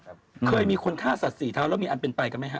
พี่อเคยมีคนฆ่าสัตว์สีท้าวแล้วมีอันเป็นไปมั้ยหรือครับ